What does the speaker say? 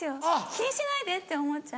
「気にしないで」って思っちゃう。